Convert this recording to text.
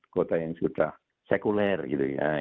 kota yang sudah sekuler gitu ya